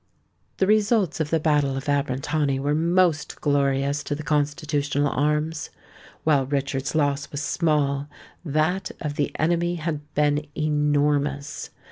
The results of the battle of Abrantani were most glorious to the Constitutional arms. While Richard's loss was small, that of the enemy had been enormous.